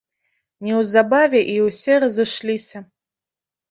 Неўзабаве і ўсе разышліся.